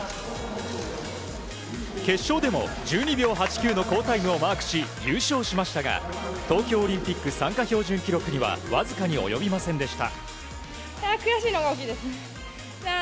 決勝でも１２秒８９の好タイムをマークし優勝しましたが東京オリンピック参加標準記録にはわずかに及びませんでした。